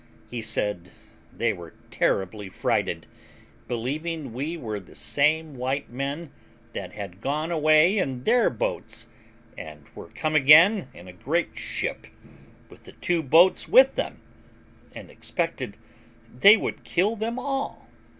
He said they were terribly frighted, believing we were the same white men that had gone away in their boats, and were come again in a great ship, with the two boats with them, and expected they would kill them all.